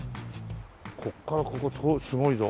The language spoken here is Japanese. こっからここすごいぞ。